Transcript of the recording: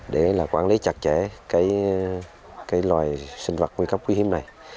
để quản lý chặt chẽ cái loài sinh vật nguy cấp quý hiếm này